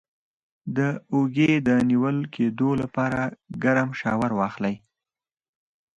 د اوږې د نیول کیدو لپاره ګرم شاور واخلئ